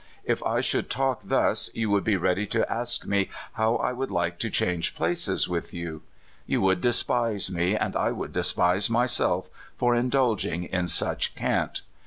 If I should talk thus, you would be ready to ask me how I would like to change places with you. You would despise me, and I would despise myself, for indulging in such cant.